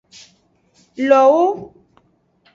Lowo.